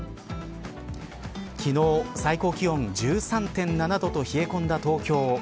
昨日、最高気温１３．７度と冷え込んだ東京。